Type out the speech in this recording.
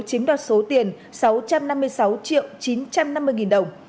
chiếm đoạt số tiền sáu trăm năm mươi sáu triệu chín trăm năm mươi nghìn đồng